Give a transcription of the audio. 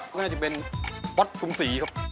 ก็น่าจะเป็นวัดชุมศรีครับ